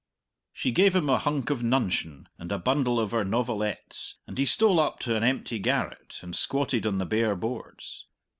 She gave him a hunk of nuncheon and a bundle of her novelettes, and he stole up to an empty garret and squatted on the bare boards.